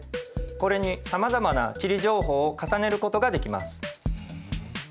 これにさまざまな地理情報を重ねることができます。